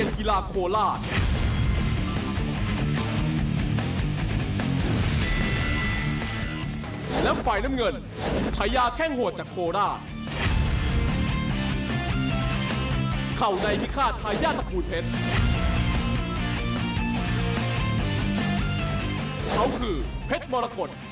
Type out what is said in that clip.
เขาคือเพชรมรกฎโซ่อดิสร